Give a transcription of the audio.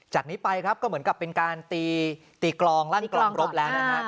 จากนี้ไปครับก็เหมือนกับเป็นการตีตีกลองลั่นกลองรบแล้วนะฮะ